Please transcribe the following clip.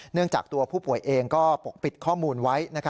จากตัวผู้ป่วยเองก็ปกปิดข้อมูลไว้